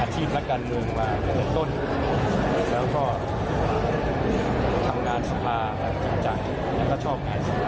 แสดงครับรักษาชอบ